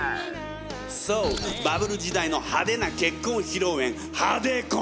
そうバブル時代のハデな結婚披露宴ハデ婚！